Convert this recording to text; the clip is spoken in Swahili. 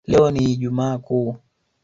Leo ni ijumaa kuu